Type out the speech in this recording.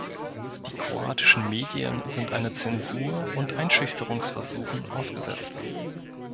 Die kroatischen Medien sind einer Zensur und Einschüchterungsversuchen ausgesetzt.